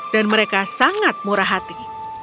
mereka sangat murah hati